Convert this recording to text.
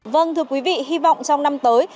vâng thưa quý vị hy vọng trong năm tới